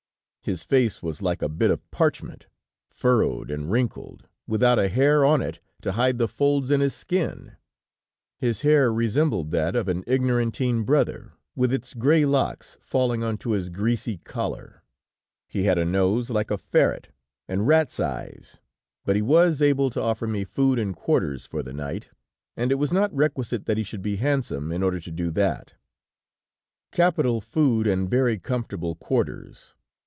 His face was like a bit of parchment, furrowed and wrinkled, without a hair on it to hide the folds in his skin. His hair resembled that of an Ignorantin brother, with its gray locks falling onto his greasy collar; he had a nose like a ferret, and rat's eyes, but he was able to offer me food and quarters for the night, and it was not requisite that he should be handsome, in order to do that. [Footnote 9: A lay brother in a monastery, who is devoted to the instruction of the poor. TRANSLATOR.] "Capital food, and very comfortable quarters!